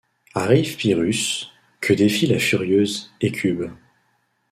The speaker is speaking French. Arrive Pyrrhus, que défie la furieuse Hécube.